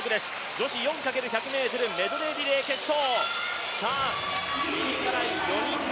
女子４×１００ｍメドレーリレー決勝。